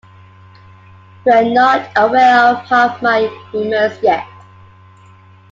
You are not aware of half my humours yet.